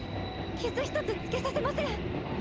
傷一つ付けさせません。